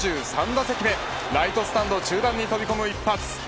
４３打席目ライトスタンド中段に飛び込む一発。